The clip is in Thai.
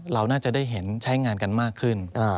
เราน่าจะได้เห็นใช้งานกันมากขึ้น